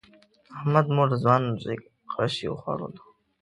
د احمد مور د ځوان زوی غشی وخوړلو.